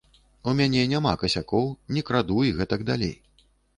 У мяне няма касякоў, не краду і гэтак далей.